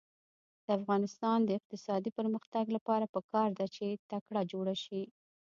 د افغانستان د اقتصادي پرمختګ لپاره پکار ده چې تکه جوړه شي.